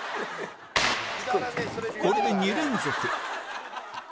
これで２連続